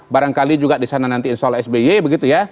barangkali juga disana nanti install sby begitu ya